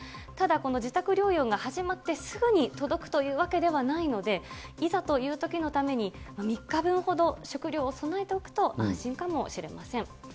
ただ、この自宅療養が始まってすぐに届くというわけではないので、いざというときのために、３日分ほど食料を備えておくと安心かもしれません。